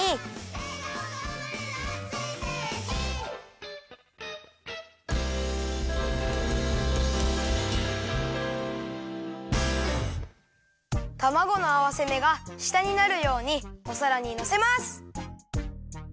「えがおが生まれるあついステージ」たまごのあわせめがしたになるようにおさらにのせます！